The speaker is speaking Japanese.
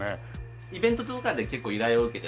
イベントとかで結構依頼を受けて作って。